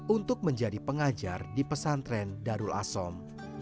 untuk menjadi pengajar di pesantren darul asom